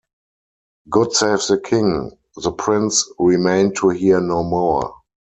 God save the king! The prince remained to hear no more.